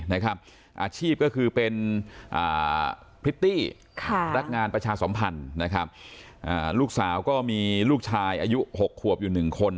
อาชีพก็คือเป็นพริตตี้พนักงานประชาสมพันธ์นะครับลูกสาวก็มีลูกชายอายุ๖ขวบอยู่๑คน